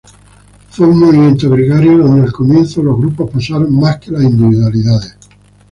Fue un movimiento gregario, donde al comienzo los grupos pesaron más que las individualidades.